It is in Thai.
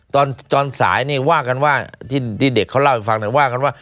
ตอนสายนี่ว่ากันว่าที่เด็กเขาเล่าให้ฟังว่ากันว่า